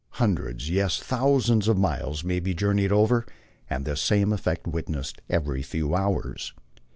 Hundreds, yes, thousands of miles may be journeyed over, and this same effect witnessed every few hours.